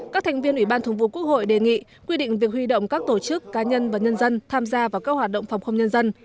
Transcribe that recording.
các thành viên ủy ban thường vụ quốc hội đề nghị quy định việc huy động các tổ chức cá nhân và nhân dân tham gia vào các hoạt động phòng không nhân dân